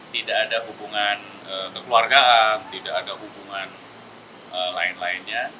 tidak ada hubungan kekeluargaan tidak ada hubungan lain lainnya